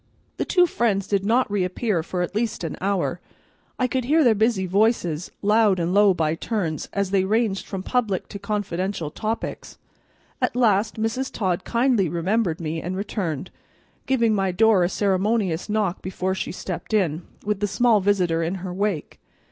The two friends did not reappear for at least an hour. I could hear their busy voices, loud and low by turns, as they ranged from public to confidential topics. At last Mrs. Todd kindly remembered me and returned, giving my door a ceremonious knock before she stepped in, with the small visitor in her wake.